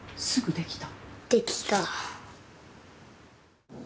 できた。